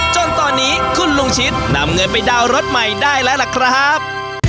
จนตอนนี้คุณลุงชิดนำเงินไปดาวน์รถใหม่ได้แล้วล่ะครับ